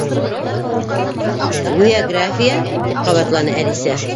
—Гүйәграфия? —тип ҡабатланы Әлисә.